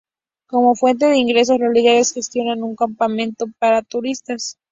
Como fuente de ingresos las líderes gestionan un campamento para turistas.